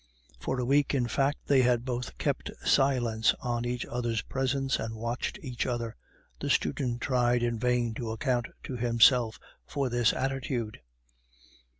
For a week, in fact, they had both kept silence in each other's presence, and watched each other. The student tried in vain to account to himself for this attitude.